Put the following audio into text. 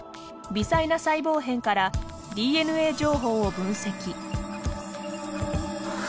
微細な細胞片からＤＮＡ情報を分析。